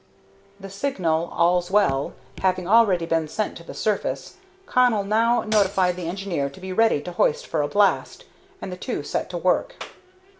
The signal, "All's well," having already been sent to the surface, Connell now notified the engineer to be ready to hoist for a blast, and the two set to work.